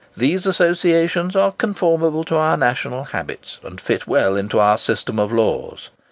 These associations are conformable to our national habits, and fit well into our system of laws.